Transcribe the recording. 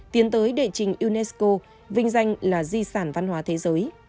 tiến tới đệ trình unesco vinh danh là di sản văn hóa thế giới